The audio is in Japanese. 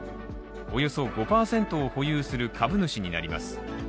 およそ５％を保有する株主になります。